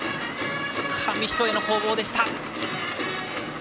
紙一重の攻防でした。